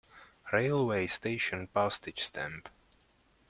Railway station Postage stamp.